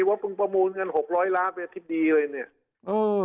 ว่ามึงประมูลเงินหกร้อยล้านเป็นอธิบดีเลยเนี่ย